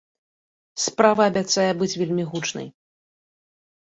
Справа абяцае быць вельмі гучнай.